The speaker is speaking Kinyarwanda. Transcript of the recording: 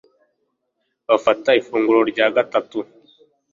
bafata ifunguro rya gatatu